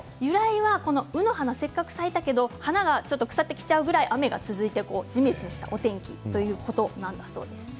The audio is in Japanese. うの花がせっかく咲いたけど花が腐ってしまうぐらい雨が続いてじめじめしたお天気、ということなんだそうです。